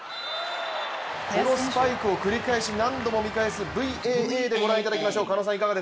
このスパイクを繰り返し何度も見返すＶＡＡでご覧いただきましょう。